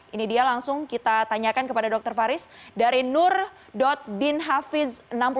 ini dia langsung kita tanyakan kepada dr faris dari nur binhafiz enam puluh satu